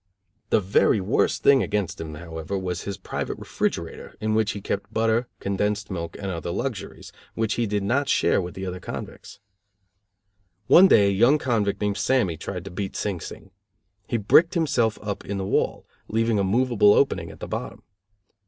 The very worst thing against him, however, was his private refrigerator in which he kept butter, condensed milk and other luxuries, which he did not share with the other convicts. One day a young convict named Sammy, tried to beat Sing Sing. He bricked himself up in the wall, leaving a movable opening at the bottom.